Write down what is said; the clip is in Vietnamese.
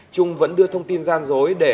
trung vẫn đưa thông tin gian dối để